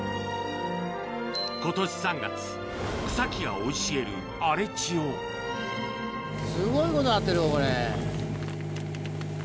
ことし３月、草木が生い茂る荒れすごいことになってるよ、これ。